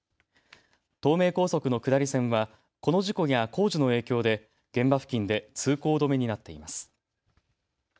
東名高速の下り線はこの事故や工事の影響で現場付近で通行止めになっています。